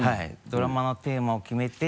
ドラマのテーマを決めて。